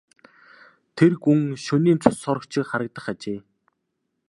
Тэр гүн шөнийн цус сорогч шиг харагдах ажээ.